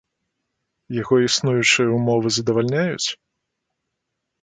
Яго існуючыя ўмовы задавальняюць?